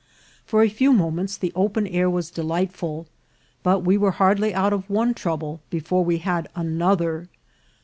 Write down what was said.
For a few moments the open air was delightful; but we were hardly out of one trouble before we had another.